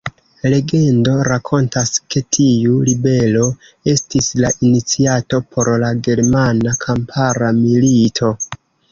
Legendo rakontas, ke tiu ribelo estis la iniciato por la Germana Kampara Milito.